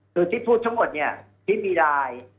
คือที่พูดทั้งหมดเนี่ยที่มีไลน์